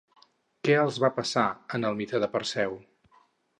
Què els va passar en el mite de Perseu?